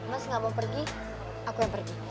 mas gak mau pergi aku yang pergi